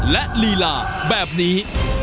และลีลาแบบนี้